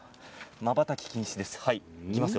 まばたき禁止です。